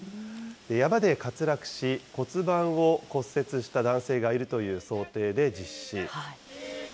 山で滑落し、骨盤を骨折した男性がいるという想定で実施。